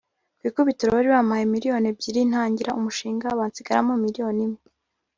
ku ikubitiro bari bampaye miliyoni ebyiri ntangira umushinga bansigaramo miliyoni imwe